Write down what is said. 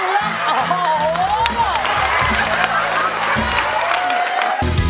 รายการต่อไปนี้เป็นรายการทั่วไปสามารถรับชมได้ทุกวัย